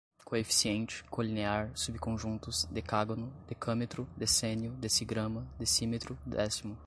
coeficiente, colinear, subconjuntos, decágono, decâmetro, decênio, decigrama, decímetro, décimo